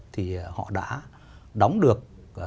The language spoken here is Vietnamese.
thì họ đã đóng được